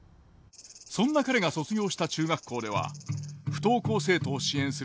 そんな彼が卒業した中学校では不登校生徒を支援する教室